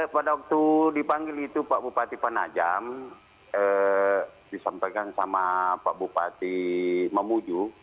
pada waktu dipanggil itu pak bupati penajam disampaikan sama pak bupati mamuju